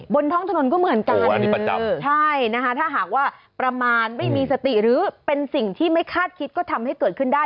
บนท้องถนนก็เหมือนกันใช่นะคะถ้าหากว่าประมาณไม่มีสติหรือเป็นสิ่งที่ไม่คาดคิดก็ทำให้เกิดขึ้นได้